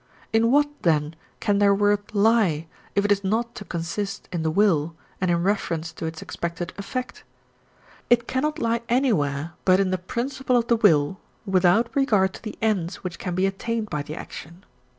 In what, then, can their worth lie, if it is not to consist in the will and in reference to its expected effect? It cannot lie anywhere but in the principle of the will without regard to the ends which can be attained by the action.